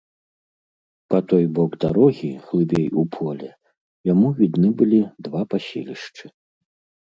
Па той бок дарогі, глыбей у поле, яму відны былі два паселішчы.